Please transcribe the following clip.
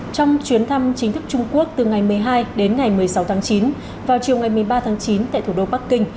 trong chuyến thăm chính thức trung quốc từ ngày một mươi hai đến ngày một mươi sáu tháng chín vào chiều ngày một mươi ba tháng chín tại thủ đô bắc kinh